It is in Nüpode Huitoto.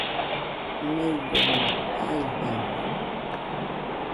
meidomo jaijaide.